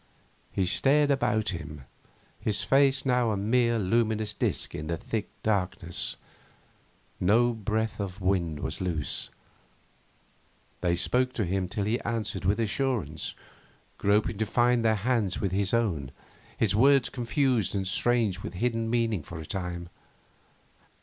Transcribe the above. He stared about him, his face now a mere luminous disc in the thick darkness. No breath of wind was loose. They spoke to him till he answered with assurance, groping to find their hands with his own, his words confused and strange with hidden meaning for a time.